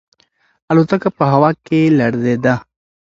الوتکه په هوا کې لړزیده.